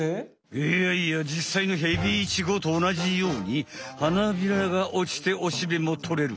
いやいやじっさいのヘビイチゴとおなじように花びらがおちておしべもとれる。